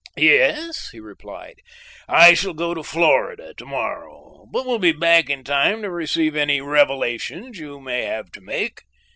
"Yes," he replied, "I shall go to Florida, to morrow, but will be back in time to receive any revelations you may have to make."